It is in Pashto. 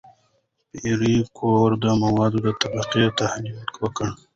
پېیر کوري د موادو د طیف تحلیل وکړ.